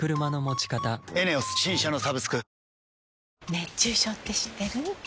熱中症って知ってる？